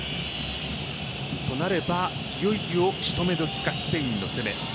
となれば、いよいよ仕留め時か、スペインの攻め。